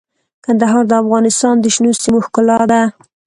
کندهار د افغانستان د شنو سیمو ښکلا ده.